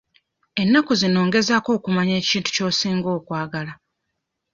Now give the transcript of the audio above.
Ennaku zino ngezaako okumanya ekintu ky'osinga okwagala.